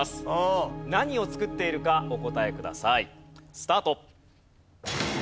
スタート。